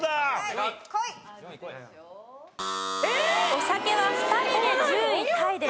お酒は２人で１０位タイです。